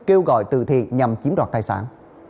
kêu gọi từ thiện nhằm chiếm đoạt tài sản